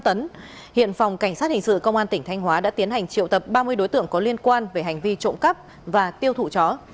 tại công an các đối tượng đã tiến hành triệu tập ba mươi đối tượng có liên quan về hành vi trộn cắp và tiêu thụ chó